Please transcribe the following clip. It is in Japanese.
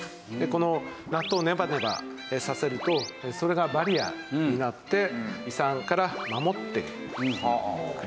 この納豆をネバネバさせるとそれがバリアになって胃酸から守ってくれるという事です。